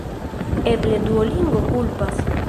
Eble Duolingo kulpas.